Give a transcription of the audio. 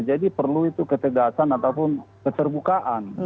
jadi perlu itu ketegasan ataupun keterbukaan